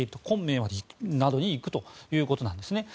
昆明などに行くということです。